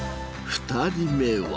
２人目は。